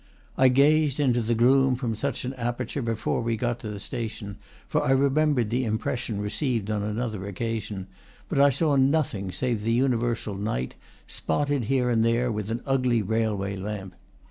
I gazed into the gloom from such an aperture before we got into the station, for I re membered the impression received on another occa sion; but I saw nothing save the universal night, spotted here and there with an ugly railway lamp.